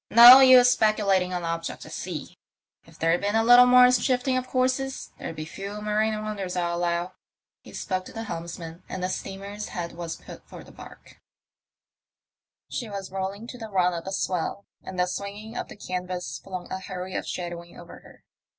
"No use speculating on objects at sea. If there'd been a little more shifting of courses there'd be fewer marine wonders, I allow." He spoke to the helms man, and the steamer's head was put for the barque. She was rolling to the run of the swell, and the swinging of the canvas flung a hurry of shadowing over her.